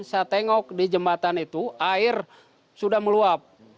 saya tengok di jembatan itu air sudah meluap